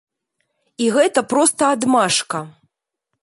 І гэта проста адмашка.